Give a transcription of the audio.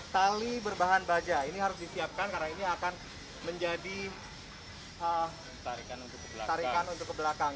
tali berbahan baja ini harus disiapkan karena ini akan menjadi tarikan untuk ke belakang